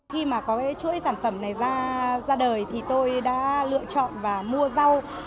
khi mà có cái chuỗi sản phẩm này ra đời thì tôi đã lựa chọn và mua rau